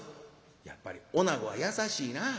「やっぱりおなごは優しいな。